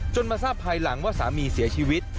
มาทราบภายหลังว่าสามีเสียชีวิต